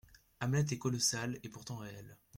Hamlet est colossal, et pourtant réel.